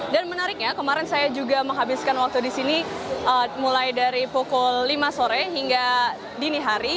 dan menariknya kemarin saya juga menghabiskan waktu di sini mulai dari pukul lima sore hingga dini hari